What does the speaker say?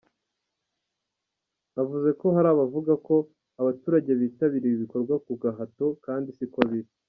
Avuze ko hari abavuga ko abaturage bitabira ibi bikorwa ku gahato kandi siko biri.